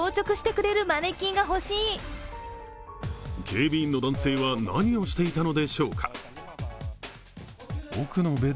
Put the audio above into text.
警備員の男性は何をしていたのでしょうか。